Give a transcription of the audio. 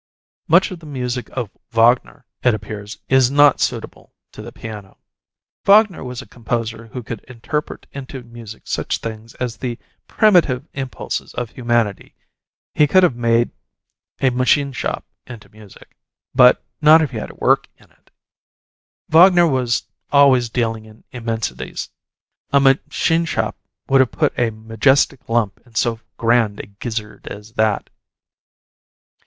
Much of the music of Wagner, it appears, is not suitable to the piano. Wagner was a composer who could interpret into music such things as the primitive impulses of humanity he could have made a machine shop into music. But not if he had to work in it. Wagner was always dealing in immensities a machine shop would have put a majestic lump in so grand a gizzard as that.